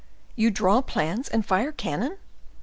"You draw plans, and fire cannon?"